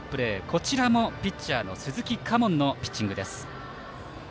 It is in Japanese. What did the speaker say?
こちらもピッチャーの鈴木佳門のピッチング。